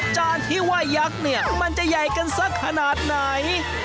จานที่ว่ายักษ์เนี่ยมันจะใหญ่กันสักขนาดไหน